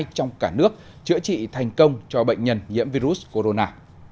trong cả nước chữa trị thành công cho bệnh nhân nhiễm virus corona